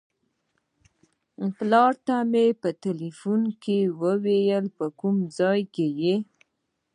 پلار ته مې په ټیلیفون کې وایم په کوم ځای کې یې.